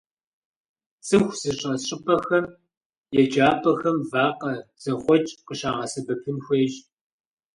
ЦӀыху зыщӀэс щӀыпӀэхэм, еджапӀэхэм вакъэ зэхъуэкӀ къыщыгъэсэбэпын хуейщ.